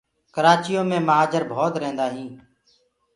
ڪرآچِيو مي مهآجر ڀوت ريهنٚدآ هينٚ